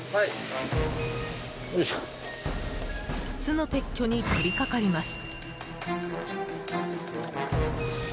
巣の撤去に取り掛かります。